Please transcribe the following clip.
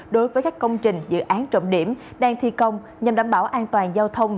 đối với các công trình dự án trọng điểm đang thi công nhằm đảm bảo an toàn giao thông